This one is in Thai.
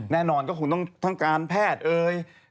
แน่นอนก็คงต้องทางการแพทย์